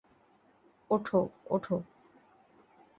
ওঠ, ওঠ।